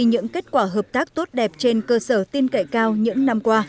những kết quả hợp tác tốt đẹp trên cơ sở tin cậy cao những năm qua